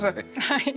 はい。